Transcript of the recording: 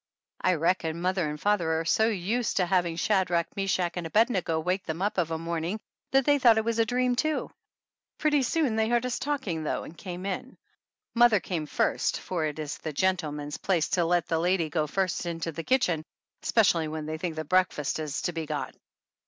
I reckon mother and father are so used to hav ing Shadrach, Meshach and Abednego wake them up of a morning that they thought it was a dream, too. Pretty soon they heard us talk ing though and came in. Mother came first, for it is the gentleman's place to let the lady go first into the kitchen, especially when they think that breakfast is to be got.